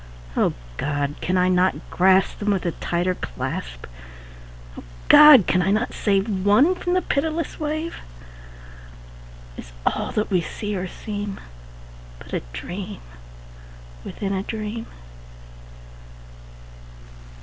O God! can I not grasp Them with a tighter clasp? O God! can I not save One from the pitiless wave? Is all that we see or seem But a dream within a dream?